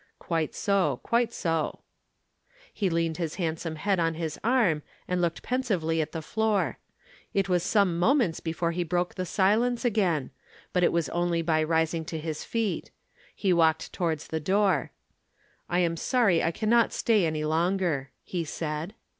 "Quite so, quite so." He leaned his handsome head on his arm and looked pensively at the floor. It was some moments before he broke the silence again. But it was only by rising to his feet. He walked towards the door. "I am sorry I cannot stay any longer," he said.